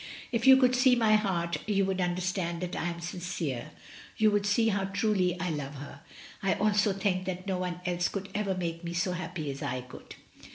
If you could see my heart you would understand that I am sincere, you would see how truly I love her. I also think that no one else could ever make her so happy as I could.